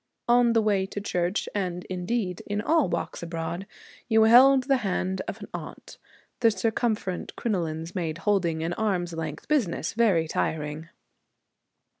On the way to church, and indeed, in all walks abroad, you held the hand of an aunt; the circumferent crinolines made the holding an arm's length business, very tiring.